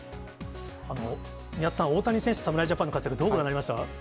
宮田さん、大谷選手、侍ジャパンの活躍、どうご覧になりました？